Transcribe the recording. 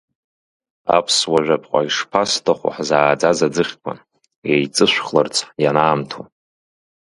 Аԥсуа жәаԥҟа ишԥасҭаху ҳзааӡаз аӡыхьқәа, еиҵышәхларц ианаамҭоу.